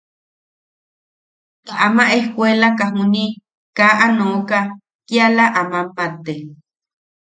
Ta ama ejkuelaka juni kaa aa nooka kiala a mammate.